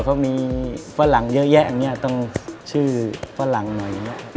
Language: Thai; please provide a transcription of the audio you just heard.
เขามีฝรั่งเยอะแยะต้องชื่อฝรั่งหน่อย